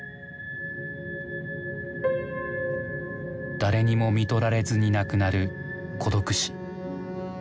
誰にもみとられずに亡くなる孤独死。